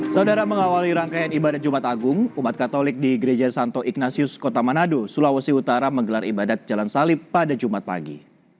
saudara mengawali rangkaian ibadah jumat agung umat katolik di gereja santo ignasius kota manado sulawesi utara menggelar ibadat jalan salib pada jumat pagi